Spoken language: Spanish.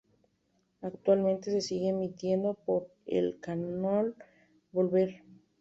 Actualmente se sigue emitiendo por el canal Volver.